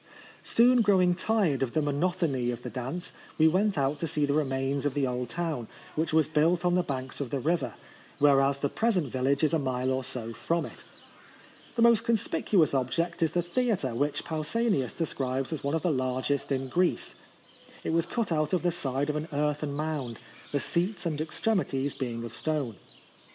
Soon growing tired of the monot ony of the dance, we went out to see the remains of the old town, which was built on the banks of the river, whereas the present vil lage is a mile or so from it. The most conspicuous object is the theatre, which Pausanias describes as one of the largest in Greece. It was cut out of the side of an earthen mound, the seats and extremities being of stone.